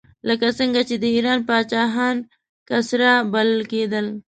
لکه څنګه چې د ایران پاچاهان کسرا بلل کېدل.